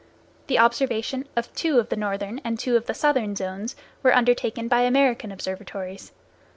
The observation of two of the northern and two of the southern zones were undertaken by American observatories.